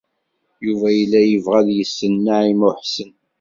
Yuba yella yebɣa ad yessen Naɛima u Ḥsen.